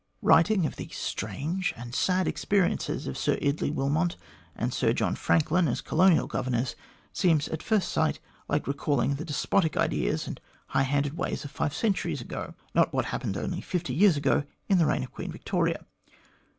Writing of the strange and sad experiences of Sir Eardley Wilmot and Sir John Franklin as Colonial Governors, seems at first sight like recalling the despotic ideas and high handed ways of five centuries ago not what happened only fifty years ago in the reign of Queen Victoria.